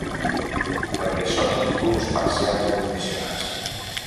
Perquè són indults parcials i condicionats.